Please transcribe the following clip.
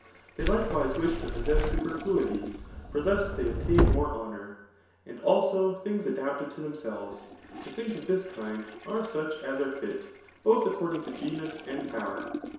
They, likewise, wish to possess superfluities ; for thus they obtain more honour. And, also, things adapted to themselves ; but things of this kind are such as are fit, both according to genus and power.